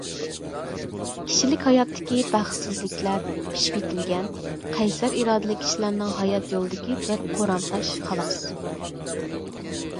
كىشىلىك ھاياتتىكى بەختسىزلىكلەر پىشىپ يېتىلگەن، قەيسەر ئىرادىلىك كىشىلەرنىڭ ھايات يولىدىكى بىر قورام تاش، خالاس.